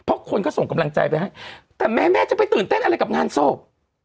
เพราะคนก็ส่งกำลังใจไปให้แต่แม่แม่จะไปตื่นเต้นอะไรกับงานศพ